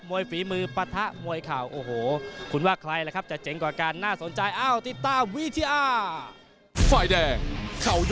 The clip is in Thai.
มวยฝีมือปะทะมวยข่าวโอ้โหคุณว่าใครแหละครับจะเจ๋งกว่าการน่าสนใจอ้าวติดตามวิทยา